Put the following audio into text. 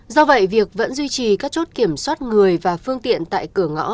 do vậy việc vẫn duy trì các chốt kiểm soát người và phương tiện tại cửa ngõ